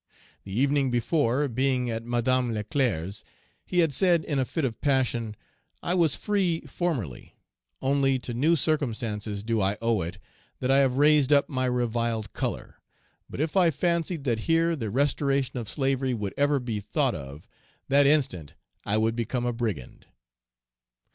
The evening before, being at Madame Leclerc's, he had said in a fit of passion, "I was free formerly; only to new circumstances do I owe it that I have raised up my reviled color; but if I fancied that here the restoration of slavery would ever be thought of, that instant I would become a brigand."